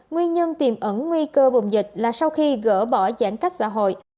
nguyên nhân tiềm ẩn nguy cơ bùng dịch là sau khi gỡ bỏ giãn cách xã hội